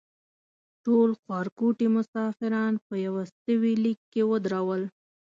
ټول خوارکوټي مسافران په یوستوي لیک کې ودرول.